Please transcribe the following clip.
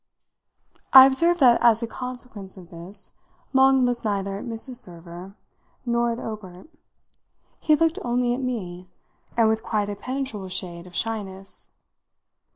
I observed that as a consequence of this Long looked neither at Mrs. Server nor at Obert; he looked only at me, and with quite a penetrable shade of shyness.